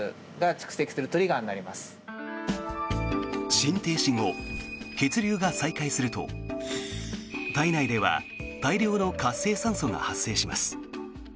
心停止後、血流が再開すると体内では大量の活性酸素が発生します。